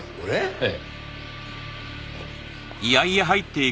ええ。